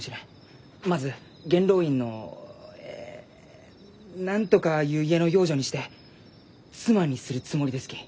まず元老院のえ何とかゆう家の養女にして妻にするつもりですき。